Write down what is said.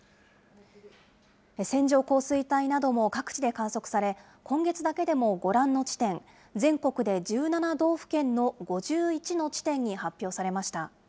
線状降水帯なども各地で観測され、今月だけでもご覧の地点、全国で１７道府県の５１の地点に発表されました。